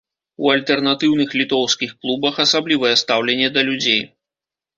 У альтэрнатыўных літоўскіх клубах асаблівае стаўленне да людзей.